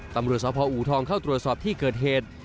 ตำรวจสพอูทองเข้าตรวจสอบที่เกิดเหตุ